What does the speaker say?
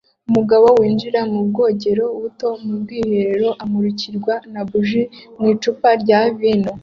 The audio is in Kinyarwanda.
Umugabo winjira mu bwogero buto mu bwiherero amurikirwa na buji mu icupa rya vino